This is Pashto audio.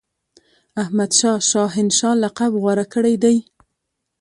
احمدشاه شاه هنشاه لقب غوره کړی دی.